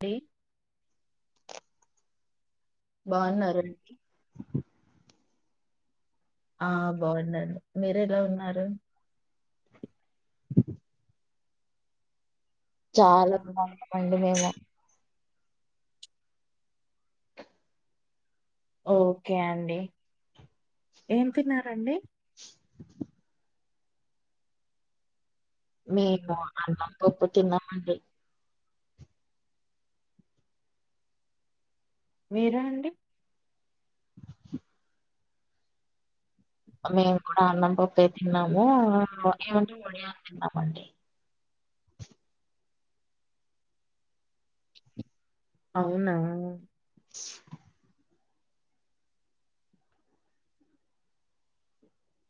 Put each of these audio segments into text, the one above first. the బావున్నారండి ఆ బాగుందండి మీరు ఎలా ఉన్నారు చాలా బాగుమండి మేము ఓకే అండి ఏం తిన్నారండి మేము అన్నం పప్పు తిన్నామండి వేరే అండి మేము కూడా అన్నం పప్పే తిన్నాము ఏమంటే మడియాలు తిన్నామండి అవునా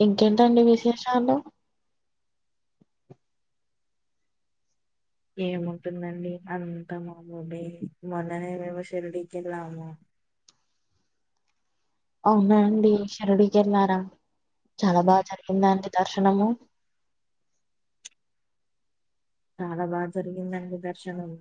ఇంకేంటండి విశేషాలు ఏమంటుందండి అంత మామూలే మొన్ననే మేము షిరిడికి వెళ్ళాము అవునా అండి షరుడికి వెళ్ళారా చాలా బాగా జరిగిందా అండి దర్శనము చాలా బాగా జరిగిందండి దర్శనము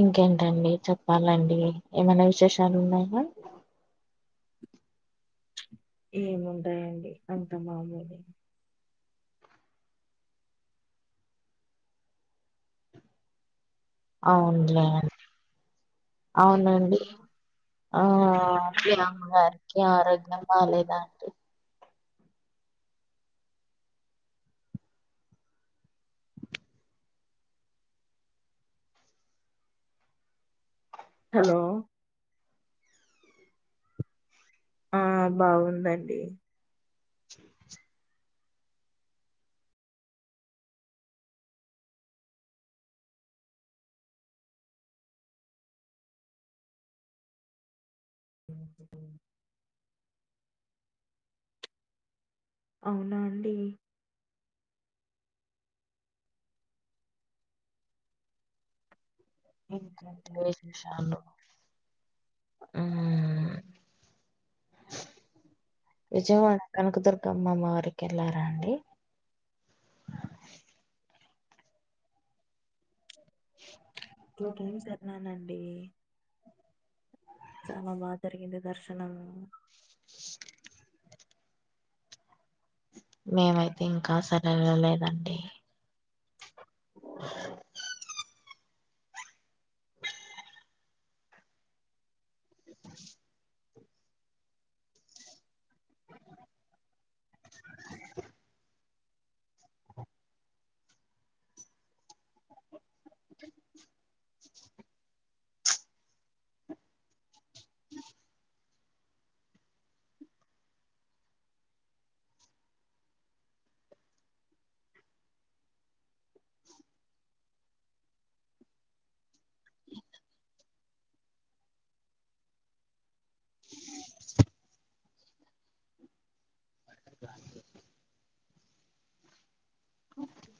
ఇంకేంటండి చెప్పాలండి ఏమనా విశేషాలు ఉన్నాయా ఏముంటాయండి అంత మామూలే అవునులే అవునండి ఆ అమరికి ఆరోగ్యం బాగాలేదా అంటుంది హలో ఆ బాగుందండి అవునా అండి ఎంకంటనే ఆ విజయవా కనక దుర్గమ్మ వారుకెలా అండి టూ టైమ్స్ ఎన్నానండి చానా బా జరిగింది దర్శనము మేమైతే ఇంకా సరెల్ల లేదండి ఓకే